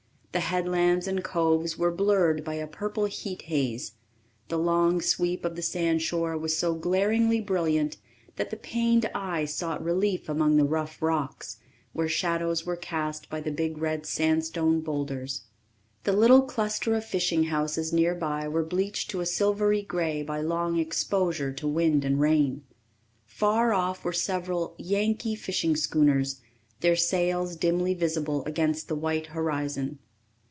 The headlands and coves were blurred by a purple heat haze. The long sweep of the sandshore was so glaringly brilliant that the pained eye sought relief among the rough rocks, where shadows were cast by the big red sandstone boulders. The little cluster of fishing houses nearby were bleached to a silvery grey by long exposure to wind and rain. Far off were several "Yankee" fishing schooners, their sails dimly visible against the white horizon.